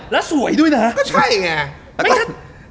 แล้วสวยด้วยนะก็ใช่ไง